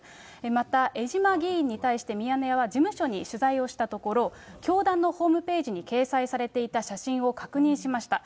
また江島議員に対して、ミヤネ屋は事務所に取材をしたところ、教団のホームページに掲載されていた写真を確認しました。